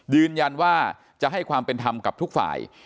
ยืนยันว่าจะให้ความเป็นธรรมกับทุกฝ่าย